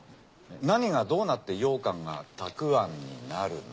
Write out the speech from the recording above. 何がどうなってようかんがたくあんになるの。